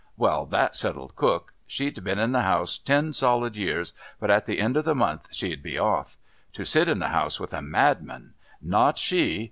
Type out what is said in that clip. Well, that settled Cook. She'd been in the house ten solid years, but at the end of the month she'd be off. To sit in the house with a madman! Not she!